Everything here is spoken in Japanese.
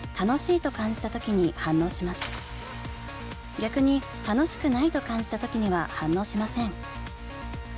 逆に楽しくないと感じた時には反応しません。